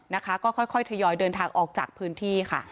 นะคะก็ค่อยทยอยเดินทางออกจากพื้นที่ค่ะ